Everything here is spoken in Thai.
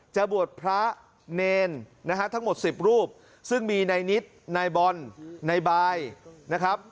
จะบวชพระเนรนนะฮะทั้งหมด๑๐รูปซึ่งมีในนิทในบลในบายนะครับ